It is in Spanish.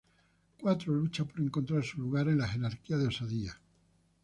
Cuatro lucha por encontrar su lugar en la jerarquía de Osadía.